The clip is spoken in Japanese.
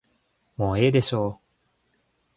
もうええでしょう。